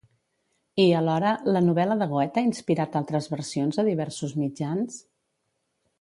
I, alhora, la novel·la de Goethe ha inspirat altres versions a diversos mitjans?